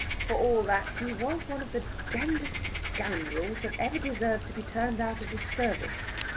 For all that, he was one of the damnedest scoundrels that ever deserved to be turned out of the service.